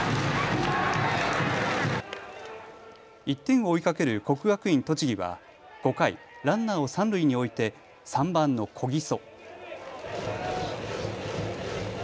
１点を追いかける国学院栃木は５回、ランナーを三塁に置いて３番の小木曽。